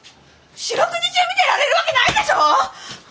四六時中見てられる訳ないでしょ！